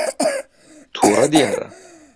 تووڕە دیارە.